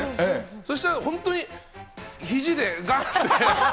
そしたら本当に、ひじでがって。